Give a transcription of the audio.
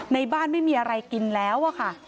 ในบ้านไม่มีอะไรกินแล้วอะค่ะ